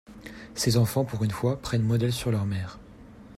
Ses enfants, pour une fois, prennent modèle sur leur mère.